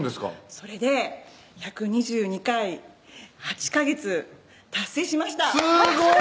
それで１２２回８カ月達成しましたすごい！